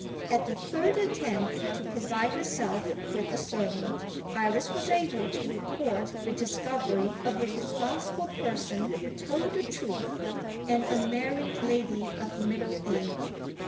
At the third attempt to provide herself with a servant, Iris was able to report the discovery of a responsible person who told the truth an unmarried lady of middle age.